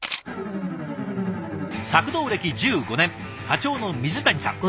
索道歴１５年課長の水谷さん。